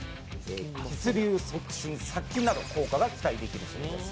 血流促進、殺菌など効果が期待できるそうです。